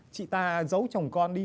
chị ta giấu chồng con đi